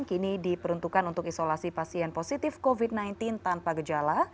kini diperuntukkan untuk isolasi pasien positif covid sembilan belas tanpa gejala